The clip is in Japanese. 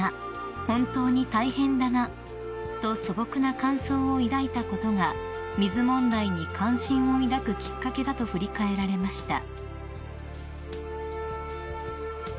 本当に大変だな」と素朴な感想を抱いたことが水問題に関心を抱くきっかけだと振り返られました］